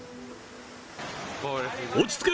落ち着け！